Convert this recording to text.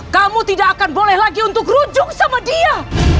kamu tidak akan boleh lagi untuk rujuk sama dia